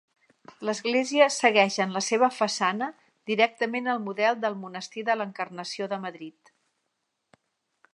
L'església segueix en la seva façana directament el model del monestir de l'Encarnació de Madrid.